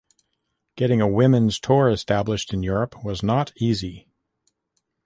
Getting a women's tour established in Europe was not easy.